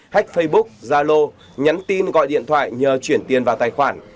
hách facebook zalo nhắn tin gọi điện thoại nhờ chuyển tiền vào tài khoản